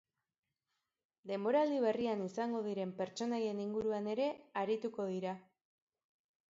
Denboraldi berrian izango diren pertsonaien inguruan ere arituko dira.